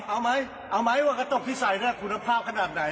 เอาไหมว่ากระตุกที่ใส่คุณภาพขนาดไหน